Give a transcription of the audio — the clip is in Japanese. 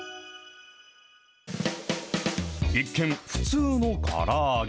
一見、普通のから揚げ。